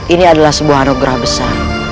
ini adalah sebuah anugerah besar